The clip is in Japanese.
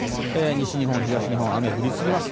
西日本、東日本雨が降り続きます。